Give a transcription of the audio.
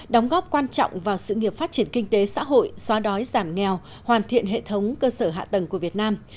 đóng góp quan trọng vào sự nghiệp phát triển kinh tế xã hội xóa đói giảm nghèo hoàn thiện hệ thống cơ sở hạ tầng của việt nam